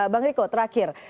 bang riko terakhir